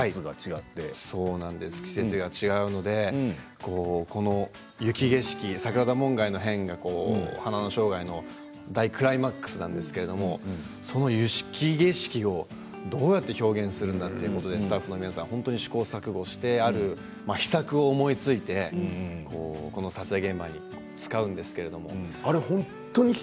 季節が違うので雪景色の桜田門外の変が「花の生涯」の大クライマックスなんですけれどその雪景色を、どうやって表現するんだとスタッフの皆さんが試行錯誤してある秘策を思いついて撮影現場で使うんですけれど。